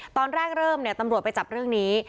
ตอนแรกเริ่มตำรวจไปจับเรื่องนี้